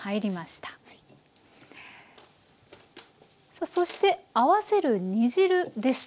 さあそして合わせる煮汁です。